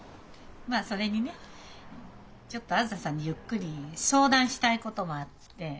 まあそれにねちょっとあづささんにゆっくり相談したいこともあって。